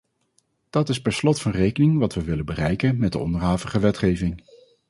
Dat is per slot van rekening wat we willen bereiken met de onderhavige wetgeving.